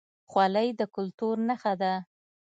خولۍ د کلتور نښه ده